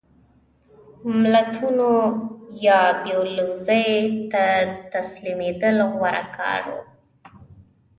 ملتونو یا بېوزلۍ ته تسلیمېدل غوره کاوه.